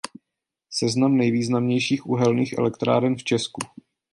Seznam nejvýznamnějších uhelných elektráren v Česku.